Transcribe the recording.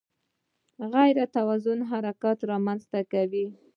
غیر توازن حرکت رامنځته کوي.